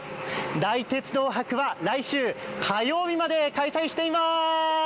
大鉄道博は来週火曜日まで開催しています。